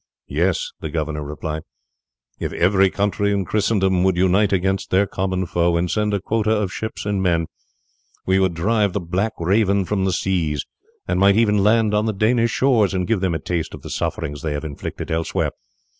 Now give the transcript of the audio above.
"Yes," the governor replied, "if every country in Christendom would unite against their common foe, and send a quota of ships and men, we would drive the Black Raven from the seas, and might even land on the Danish shores and give them a taste of the suffering they have inflicted elsewhere.